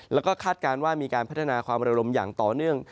แล้วก็คาดการณ์ว่ามีการพัฒนาความระลมอย่างต่อเนื่อง